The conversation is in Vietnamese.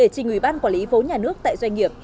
trình ủy ban quản lý vốn nhà nước tại doanh nghiệp